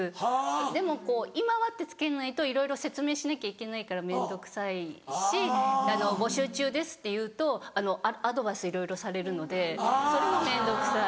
でもこう「今は」ってつけないといろいろ説明しなきゃいけないから面倒くさいし「募集中です」って言うとアドバイスいろいろされるのでそれも面倒くさい。